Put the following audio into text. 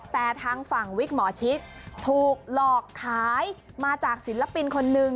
แต่ทางฝั่งวิกหมอชิตถูกหลอกขายมาจากศิลปินคนนึง